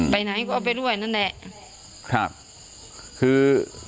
ไปไหนก็เอาไปด้วยนั่นแหละ